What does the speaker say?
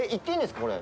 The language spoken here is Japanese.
これ。